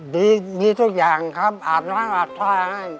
ดีทุกอย่างครับอาบน้ำอาบท่าให้